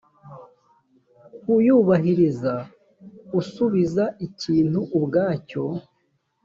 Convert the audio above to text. kuyubahiriza usubiza ikintu ubwacyo